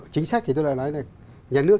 chính sách thì tôi đã nói là nhà nước